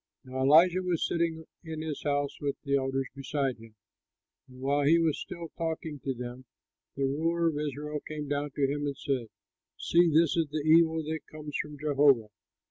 Now Elisha was sitting in his house with the elders beside him; and while he was still talking with them, the ruler of Israel came down to him and said, "See, this is the evil that comes from Jehovah!